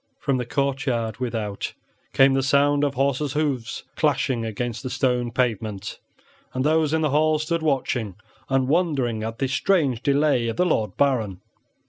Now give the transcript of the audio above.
From the courtyard without came the sound of horses' hoofs clashing against the stone pavement, and those in the hall stood watching and wondering at this strange delay of the Lord Baron.